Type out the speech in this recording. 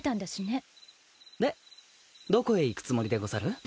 でどこへ行くつもりでござる？